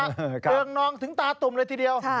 เรืองนองถึงตาตุ่มเลยทีเดียว